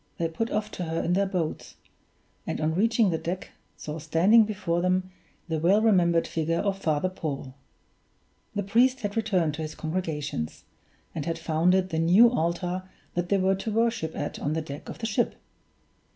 They put off to her in their boats; and on reaching the deck saw standing before them the well remembered figure of Father Paul. The priest had returned to his congregations, and had founded the new altar that they were to worship at on the deck of the ship!